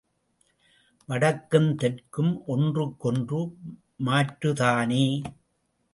வடக்கும் தெற்கும் ஒன்றுக்கு ஒன்று மாற்றுதானே.